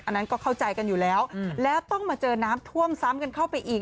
อันนั้นก็เข้าใจกันอยู่แล้วแล้วต้องมาเจอน้ำท่วมซ้ำกันเข้าไปอีก